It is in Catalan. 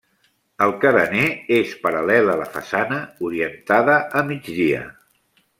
El carener és paral·lel a la façana, orientada a migdia.